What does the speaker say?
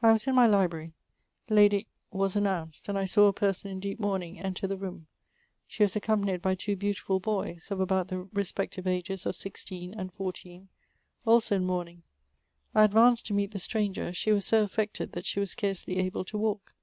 I was in my library ; Lady was announced, and I saw a person in deep mourning enter the room. She was accom panied by two beautiful boys, of about the respective ages of sixteen and fourteen — also in mourning. I advanced to meet the stranger; she was so affected that she was scarcely able to walk.